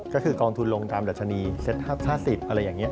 ก็คือกองทุนลงตามดัชนีเซต๕๐อะไรอย่างนี้